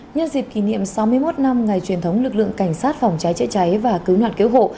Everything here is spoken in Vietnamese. nhân dịp kỷ niệm sáu mươi một năm ngày truyền thống lực lượng cảnh sát phòng cháy chữa cháy và cứu nạn cứu hộ